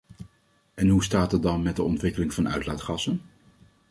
En hoe staat het dan met de ontwikkeling van uitlaatgassen?